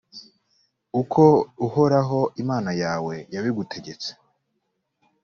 uko uhoraho imana yawe yabigutegetse,